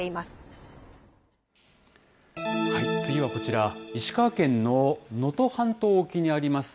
次はこちら、石川県の能登半島沖にあります